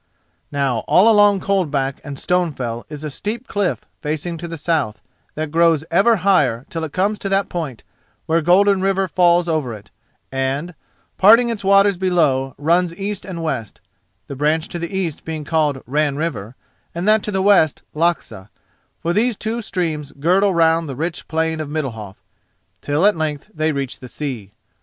Now all along Coldback and Stonefell is a steep cliff facing to the south, that grows ever higher till it comes to that point where Golden River falls over it and, parting its waters below, runs east and west—the branch to the east being called Ran River and that to the west Laxà—for these two streams girdle round the rich plain of Middalhof, till at length they reach the sea.